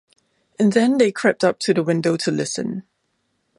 And then they crept up to the window to listen.